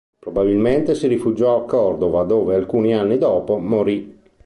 Probabilmente si rifugiò a Cordova dove, alcuni anni dopo, morì.